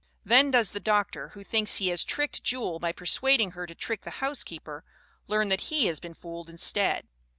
Then does the doctor, who thinks he has tricked Jewel by persuading her to trick the housekeeper, learn that he has been fooled instead.